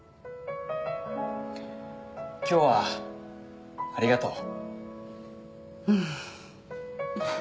今日はありがとう。